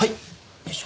よいしょ。